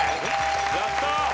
やった。